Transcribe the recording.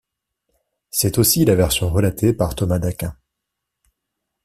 C'est aussi la version relatée par Thomas d'Aquin.